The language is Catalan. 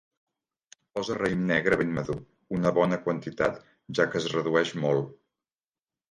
Posa raïm negre ben madur, una bona quantitat, ja que es redueix molt.